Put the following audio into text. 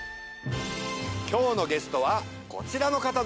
今日のゲストはこちらの方です。